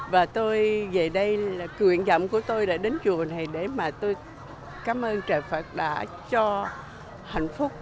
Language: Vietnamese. và tôi về đây là quyền dặm của tôi đã đến chùa này để mà tôi cảm ơn trời phật đã cho hạnh phúc